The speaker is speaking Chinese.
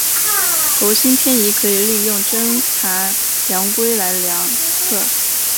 轴心偏移可以利用针盘量规来量测。